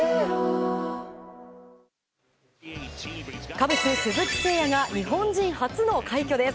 カブス、鈴木誠也が日本人初の快挙です。